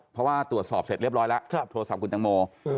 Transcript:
เพราะว่าตรวจสอบเสร็จเรียบร้อยแล้วโทรศัพท์คุณตังโม